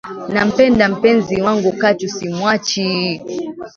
Nampenda mpenzi wangu katu simwachi.